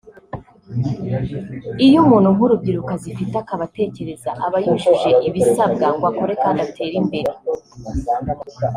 iyo umuntu nk’urubyiruko azifite akaba atekereza aba yujuje ibisabwa ngo akore kandi atere imbere